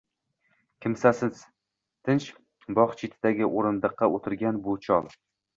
Kimsasiz, tinch bogʻ chetidagi oʻrindiqqa oʻtirgan bu chol